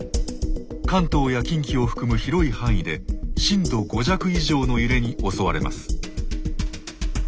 関東や近畿を含む広い範囲で震度５弱以上の揺れに襲われます。